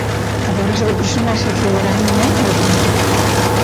A dobraxe do personaxe foi era miña ao principio.